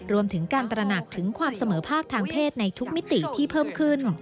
รวมถึงการตระหนักถึงความเสมอภาคทางเพศในทุกมิติที่เพิ่มขึ้น